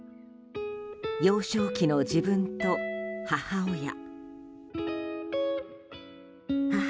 幼少期の自分と母親。